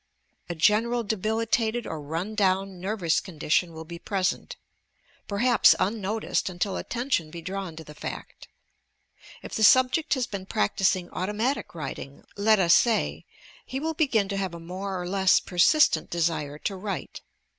A general debilitated or run down nervous condition will be present, — perhaps unno ticed until attention be drawn to the fact. If the subject 206 YOUR PSYCHIC POWBBS has been practising automatic writing, let as say, he will begin to have a more or less persistent desire to write.